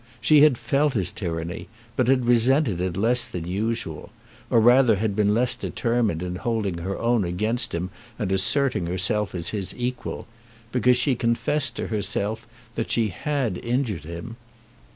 She had felt his tyranny, but had resented it less than usual, or rather had been less determined in holding her own against him and asserting herself as his equal, because she confessed to herself that she had injured him.